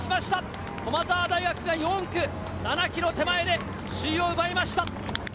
駒澤大学が４区、７キロ手前で首位を奪いました。